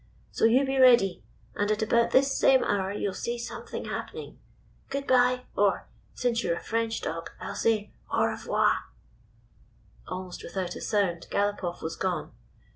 So you be ready, and at about this same hour you 'll see something happening. Good bye, or — since you 're a French dog — I 'll say, A u revoir /" Almost without a sound Galopoff was gone.